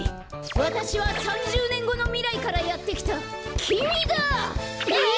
わたしは３０ねんごのみらいからやってきたきみだ！え！？